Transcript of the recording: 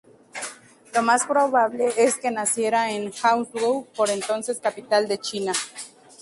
Lo más probable es que naciera en Hangzhou, por entonces capital de China.